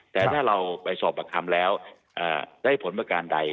แต่ถ้าเราไปสอบประคำแล้วได้ผลประการใด